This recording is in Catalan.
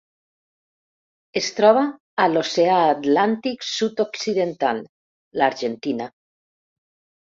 Es troba a l'Oceà Atlàntic sud-occidental: l'Argentina.